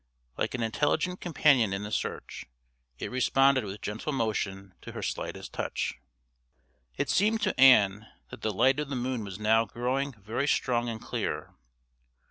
Like an intelligent companion in the search, it responded with gentle motion to her slightest touch. It seemed to Ann that the light of the moon was now growing very strong and clear.